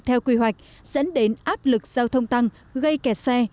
theo quy hoạch dẫn đến áp lực giao thông tăng gây kẹt xe